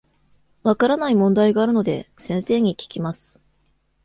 分からない問題があるので、先生に聞きます。